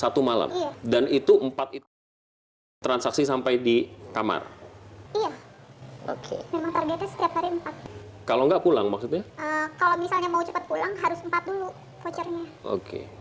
satu malam dan itu empat transaksi sampai di kamar kalau nggak pulang maksudnya kalau misalnya